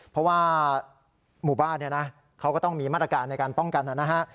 เพราะว่าหมู่บ้านเขาก็ต้องมีมาตรการในการป้องกัน